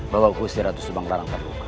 bahwa usia ratu subang larang terluka